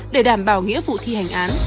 để đảm bảo nghĩa vụ thi hành án